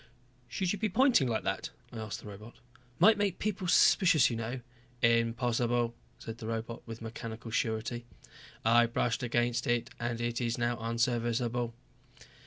"Should you be pointing like that?" I asked the robot. "Might make people suspicious, you know." "Impossible," the robot said with mechanical surety. "I brushed against it and it is now unserviceable."